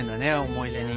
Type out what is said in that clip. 思い出に。